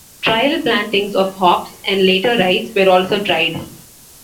Trial plantings of hops, and later rice, were also tried.